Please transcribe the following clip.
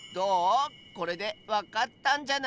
これでわかったんじゃない？